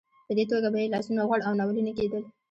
په دې توګه به یې لاسونه غوړ او ناولې نه کېدل.